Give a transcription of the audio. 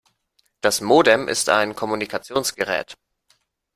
Das Modem ist ein Kommunikationsgerät.